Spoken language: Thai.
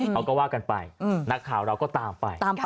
เขาก็ว่ากันไปนักข่าวเราก็ตามไป